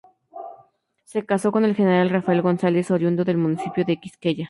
Se caso con el General Rafael González, oriundo del municipio de Quisqueya.